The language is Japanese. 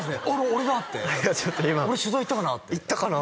俺だって俺取材行ったかな？って行ったかな？